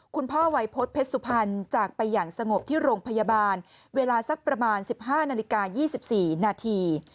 คุณพ่อวัยพฤษเพชรสุพรรณจากไปอย่างสงบที่โรงพยาบาลเวลาสักประมาณ๑๕นาฬิกา๒๔นาที